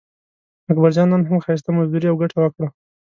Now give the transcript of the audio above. اکبرجان نن هم ښایسته مزدوري او ګټه وکړه.